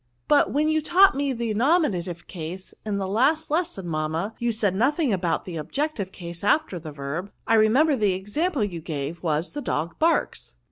But when you taught me the nominative case in the last lesson, mamma, you said nothing about the objective case after the verb ; I remember the example you gave was, the dog barks."